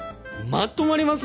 まとまります？